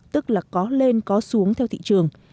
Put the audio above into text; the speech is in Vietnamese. tức là có lên có xuống theo thị trường